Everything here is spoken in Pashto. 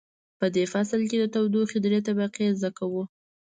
په دې فصل کې د تودوخې درې طریقې زده کوو.